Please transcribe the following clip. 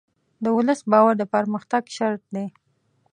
د ولس باور د پرمختګ شرط دی.